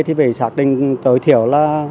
thì phải xác định tối thiểu là